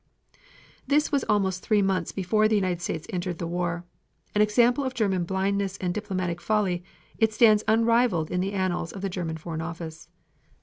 This was almost three months before the United States entered the war. As an example of German blindness and diplomatic folly it stands unrivaled in the annals of the German Foreign Office.